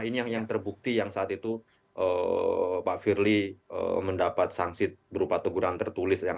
ini yang terbukti yang saat itu pak firly mendapat sanksi berupa teguran tertulis